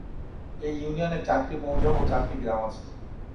এই ইউনিয়নে চারটি মৌজা ও চারটি গ্রাম আছে।